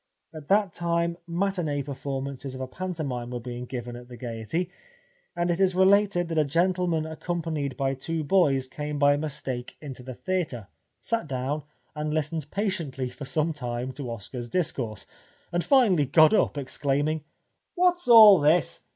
At that time matinee performances of a pantomime were being given at the Gaiety, and it is related that a gentleman accompanied by two boys came by mistake into the theatre, sat down and listened patiently for some time to Oscar's discourse, and finally got up ex claiming :" What's all this